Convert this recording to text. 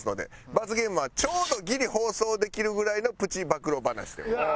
罰ゲームはちょうどギリ放送できるぐらいのプチ暴露話でございます。